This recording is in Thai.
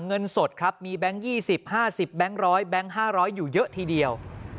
เงินสดครับมีแบงค์๒๐๕๐๑๐๐๕๐๐อยู่เยอะทีเดียว